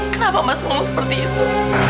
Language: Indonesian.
kenapa mas ngomong seperti itu